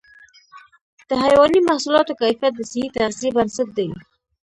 د حيواني محصولاتو کیفیت د صحي تغذیې بنسټ دی.